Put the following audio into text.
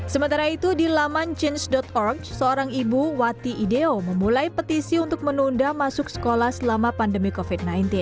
sementara itu di laman change org seorang ibu wati ideo memulai petisi untuk menunda masuk sekolah selama pandemi covid sembilan belas